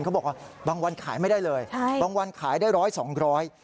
เขาบอกว่าบางวันขายไม่ได้เลยบางวันขายได้ร้อยสองร้อย